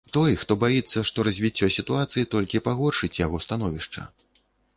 Той, хто баіцца, што развіццё сітуацыі толькі пагоршыць яго становішча.